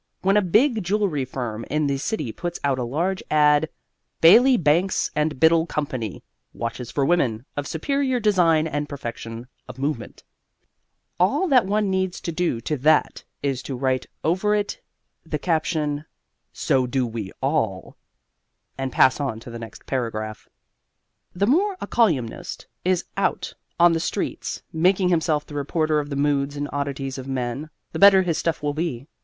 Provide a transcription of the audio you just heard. When a big jewellery firm in the city puts out a large ad Bailey, Banks & Biddle Company Watches for Women Of Superior Design and Perfection of Movement all that one needs to do to that is to write over it the caption SO DO WE ALL and pass on to the next paragraph. The more a colyumist is out on the streets, making himself the reporter of the moods and oddities of men, the better his stuff will be.